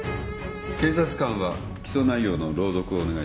検察官は起訴内容の朗読をお願いします。